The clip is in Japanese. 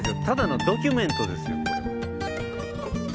ただのドキュメントですよ。